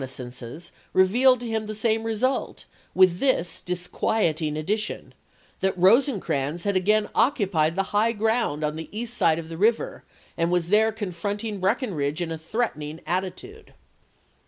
isea. naissances revealed to him the same result, with this disquieting addition — that Rosecrans had again occupied the high ground on the east side of the river and was there confronting Breckinridge in a threatening attitude.